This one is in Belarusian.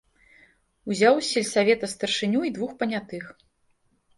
Узяў з сельсавета старшыню й двух панятых.